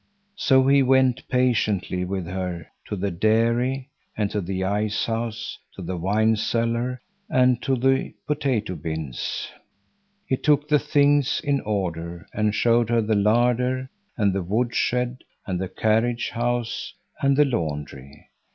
So he went patiently with her to the dairy and to the ice house; to the wine cellar and to the potato bins. He took the things in order, and showed her the larder, and the wood shed, and the carriage house, and the laundry.